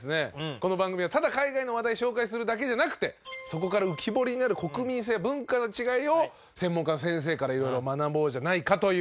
この番組はただ海外の話題紹介するだけじゃなくてそこから浮き彫りになる国民性文化の違いを専門家の先生から色々学ぼうじゃないかという。